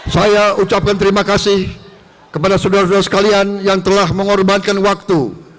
saya ucapkan terima kasih kepada saudara saudara sekalian yang telah mengorbankan waktu